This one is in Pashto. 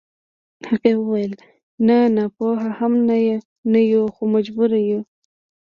هغې وويل نه ناپوهه هم نه يو خو مجبور يو.